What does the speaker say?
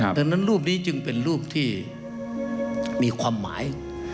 ดังนั้นรูปนี้จึงเป็นรูปที่มีความหมาย